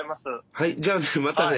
はいじゃあねまたね。